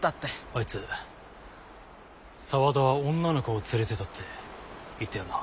あいつ「沢田は女の子を連れてた」って言ったよな？